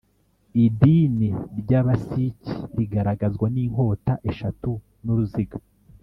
idini ry’abasiki rigaragazwa n’inkota eshatu n’uruziga